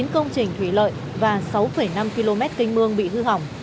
chín công trình thủy lợi và sáu năm km canh mương bị hư hỏng